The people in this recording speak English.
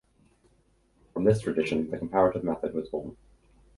From this tradition the comparative method was born.